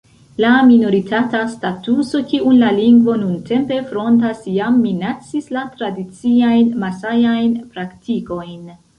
La minoritata statuso kiun la lingvo nuntempe frontas jam minacis la tradiciajn masajajn praktikojn.